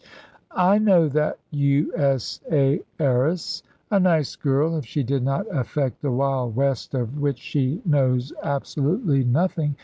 "I know that U.S.A. heiress a nice girl if she did not affect the Wild West of which she knows absolutely nothing.